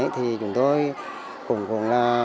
thì chúng tôi cùng cùng